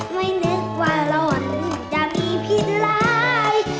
ไม่นึกว่าหล่อนจะมีผิดร้าย